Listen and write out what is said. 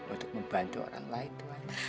untuk membantu orang lain tuhan